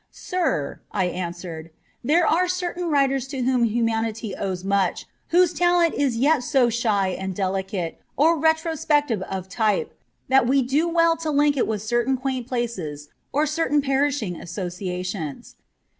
' Sir, ' I answered, * there are certain writers to whom humanity owes much, whose talent is yet of so shy and delicate or retrospective a type that we do well to link it with certain quaint places or certain perishing associations.